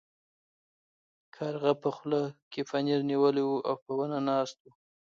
کارغه په خوله کې پنیر نیولی و او په ونه ناست و.